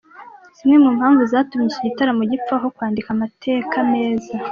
Zimwe mu mpamvu zatumye iki gitaramo gipfa aho kwandika amateka meza.